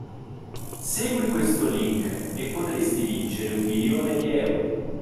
Segui questo link e potresti vincere un milione di euro.